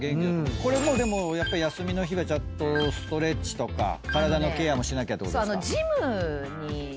これもでもやっぱ休みの日はちゃんとストレッチとか体のケアもしなきゃってことですか？